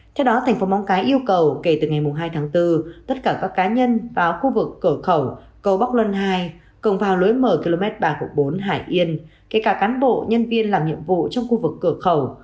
theo đó tp hcm yêu cầu kể từ ngày hai tháng bốn tất cả các cá nhân vào khu vực cửa khẩu cầu bóc luân hai cộng vào lối mở km ba bốn hải yên kể cả cán bộ nhân viên làm nhiệm vụ trong khu vực cửa khẩu